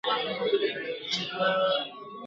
د بوډا پر اوږو غبرګي د لمسیو جنازې دي ..